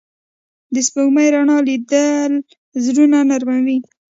د سپوږمۍ رڼا لیدل زړونه نرموي